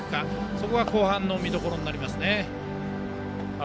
そこが後半の見どころになります。